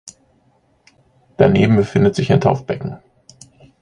Daneben befindet sich ein Taufbecken.